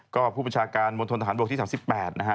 ก็ผู้ประชาการบนทนฐานบวกที่๓๘นะฮะ